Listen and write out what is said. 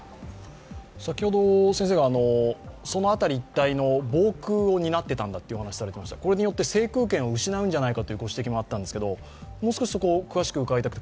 先ほど先生が、その辺り一帯の防空を担っていたんだとこれによって制空権を失うんじゃないかというご指摘があったんですが、もう少し詳しく伺いたい。